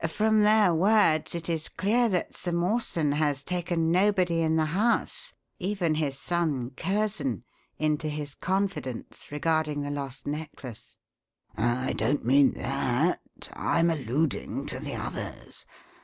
From their words it is clear that Sir Mawson has taken nobody in the house even his son, Curzon into his confidence regarding the lost necklace." "I don't mean that I'm alluding to the others.